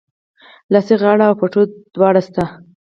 لاسي غاړه او پټو دواړه سته